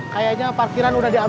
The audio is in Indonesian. kayaknya parkiran udah ditutup